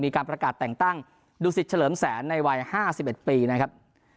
มีการประกาศแต่งตั้งดูสิตเฉลิมแสนในวัย๕๑ปีนะครับ